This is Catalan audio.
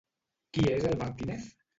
Qui és el Martínez?